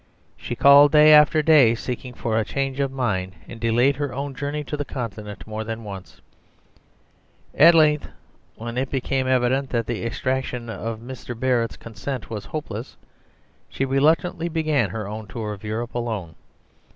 She called day after day seeking for a change of mind, and delayed her own journey to the continent more than once. At length, when it became evident that the extraction of Mr. Barrett's consent was hopeless, she reluctantly began her own tour in Europe alone.